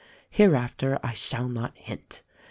Hereafter I shall not hint.